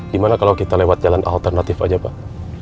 gimana kalau kita lewat jalan alternatif aja pak